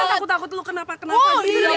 aku takut lo kenapa kenapa